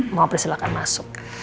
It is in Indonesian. mama persilakan masuk